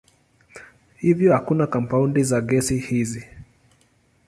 Hivyo hakuna kampaundi za gesi hizi.